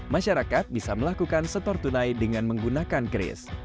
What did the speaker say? masyarakat bisa melakukan setor tunai dengan menggunakan kris